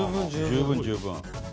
十分十分。